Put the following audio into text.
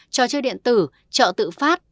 trò chơi điện tử chợ tự phát